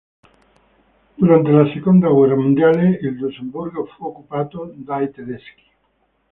Durante la seconda guerra mondiale il Lussemburgo fu occupato dai tedeschi.